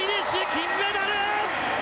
金メダル！